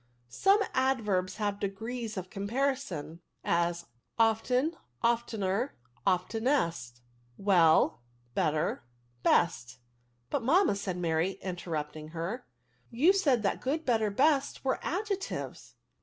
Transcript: Some adverbs have degrees of comparison ; as, often, oftener, oftenest; well, better, best. '^ But, maniTna," said Mary, interrupting ADVERBS. 83 her, " you said that good| better, best, were adjectives."